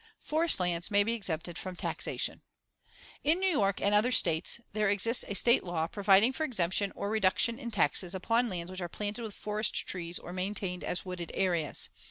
Forest lands may be exempted from taxation: In New York and other States there exists a State law providing for exemption or reduction in taxes upon lands which are planted with forest trees or maintained as wooded areas.